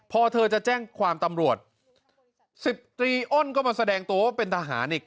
พอเธอจะแจ้งความตำรวจสิบตรีอ้นก็มาแสดงตัวว่าเป็นทหารอีก